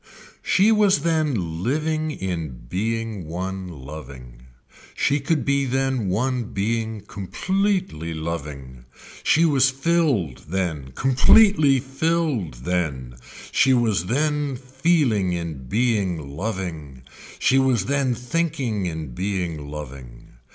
She was then living in being one loving. She could be then one being completely loving. She was filled then, completely filled then, she was then feeling in being loving, she was then thinking in being loving.